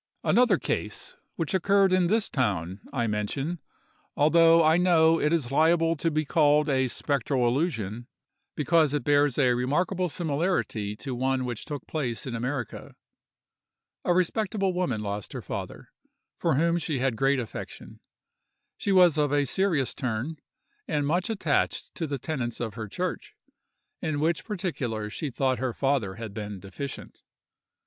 Another case, which occurred in this town, I mention—although I know it is liable to be called a spectral illusion—because it bears a remarkable similarity to one which took place in America. A respectable woman lost her father, for whom she had a great affection; she was of a serious turn, and much attached to the tenets of her church, in which particulars she thought her father had been deficient.